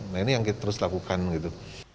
nah ini yang kita terus lakukan gitu